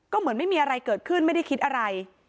ก็เหมือนไม่มีอะไรเกิดขึ้นไม่ได้คิดอะไร